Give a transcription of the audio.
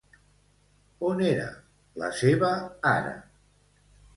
On era la seva ara?